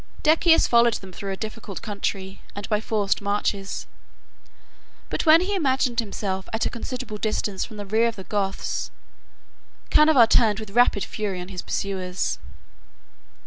31 Decius followed them through a difficult country, and by forced marches; but when he imagined himself at a considerable distance from the rear of the Goths, Cniva turned with rapid fury on his pursuers.